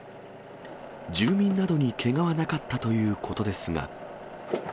住民などにけがはなかったということですが。